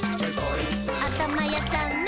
「あたまやさんの！」